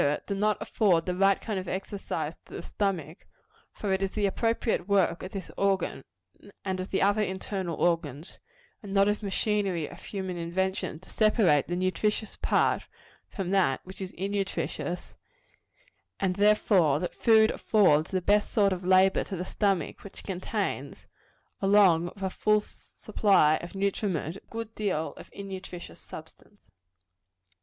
do not afford the right kind of exercise to the stomach; for it is the appropriate work of this organ, and of the other internal organs and not of machinery of human invention to separate the nutritious part from that which is innutritious; and, therefore, that food affords the best sort of labor to the stomach which contains, along with a full supply of nutriment, a good deal of innutritious substance.